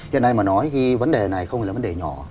hiện nay mà nói cái vấn đề này không là vấn đề nhỏ